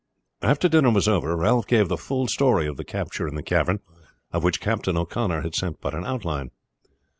After dinner was over Ralph gave the full history of the capture in the cavern, of which Captain O'Connor had sent but an outline.